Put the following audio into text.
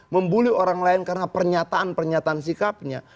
membuli orang lain karena pernyataan pernyataan sikapnya